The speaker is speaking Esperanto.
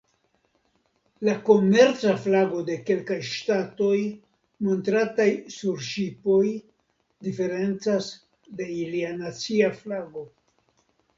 La komerca flago de kelkaj ŝtatoj montrataj sur ŝipoj diferencas de ilia nacia flago.